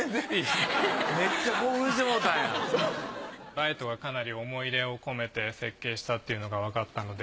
ライトがかなり思い入れを込めて設計したというのがわかったので。